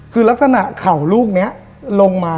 คือลักษณะเข่าลูกนี้ลงมา